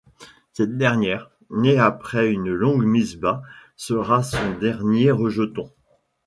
Cette dernière, née après une longue mise bas, sera son dernier rejeton.